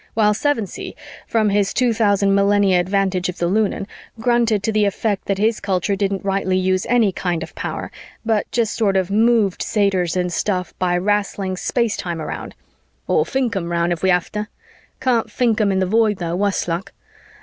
while Sevensee, from his two thousand millennia advantage of the Lunan, grunted to the effect that his culture didn't rightly use any kind of power, but just sort of moved satyrs and stuff by wrastling space time around, "or think em roun ef we hafta. Can't think em in the Void, tho, wus luck.